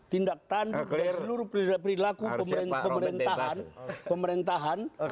tindak tanda seluruh perilaku pemerintah